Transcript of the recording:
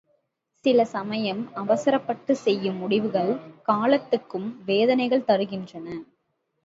சில சமயம் அவசரப்பட்டுச் செய்யும் முடிவுகள் காலத்துக்கும் வேதனைகள் தருகின்றன.